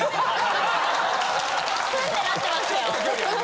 スンってなってますよ。